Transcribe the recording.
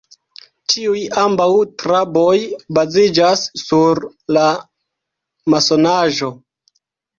Tiuj ambaŭ traboj baziĝas sur la masonaĵo.